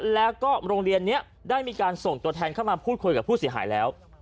แล้วก็โรงเรียนนี้ได้มีการส่งตัวแทนเข้ามาพูดคุยกับผู้เสียหายแล้ว